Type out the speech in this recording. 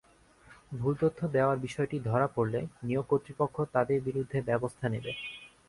ভুল তথ্য দেওয়ার বিষয়টি ধরা পড়লে নিয়োগ কর্তৃপক্ষ তাঁদের বিরুদ্ধে ব্যবস্থা নেবে।